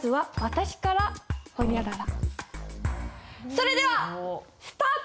それではスタート！